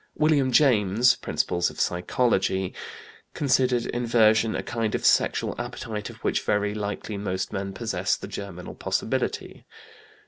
William James (Principles of Psychology, vol. ii, p. 439) considered inversion "a kind of sexual appetite of which very likely most men possess the germinal possibility."